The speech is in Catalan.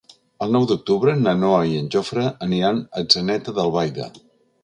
El nou d'octubre na Noa i en Jofre aniran a Atzeneta d'Albaida.